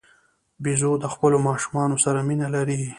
بیزو د خپلو ماشومانو سره مینه لري.